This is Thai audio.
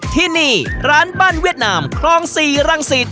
ที่นี่ร้านบ้านเวียดนามคลอง๔รังสิต